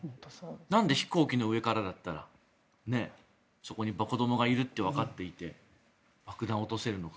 なんで、飛行機の上からだったらそこに子どもがいるとわかっていて爆弾を落とせるのか。